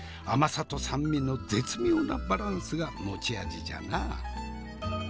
甘さと酸味の絶妙なバランスが持ち味じゃな。